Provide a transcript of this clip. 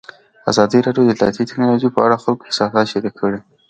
ازادي راډیو د اطلاعاتی تکنالوژي په اړه د خلکو احساسات شریک کړي.